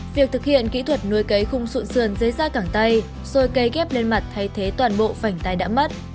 việc thực hiện kỹ thuật nuôi cấy khung sụn sườn dưới da cẳng tay rồi cây ghép lên mặt thay thế toàn bộ vảnh tai đã mất